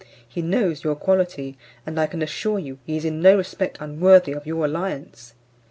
He knows your quality, and I can assure you he is in no respect unworthy of your alliance.